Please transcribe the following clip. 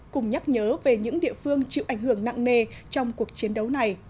cùng nhắc nhớ về những địa phương chịu ảnh hưởng nặng nề trong cuộc chiến đấu này